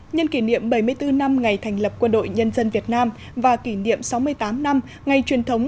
nhân kỷ niệm bảy mươi bốn năm ngày thành lập quân đội nhân dân việt nam và kỷ niệm sáu mươi tám năm ngày truyền thống